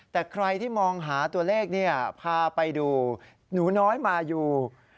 แต่ใครที่มองหาตัวเลขพาไปดูหนูน้อยมายู